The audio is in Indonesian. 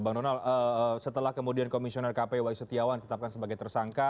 bang donal setelah kemudian komisioner kpw waisutiawan ditetapkan sebagai tersangka